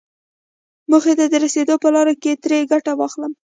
موخې ته د رسېدو په لاره کې ترې ګټه واخلم.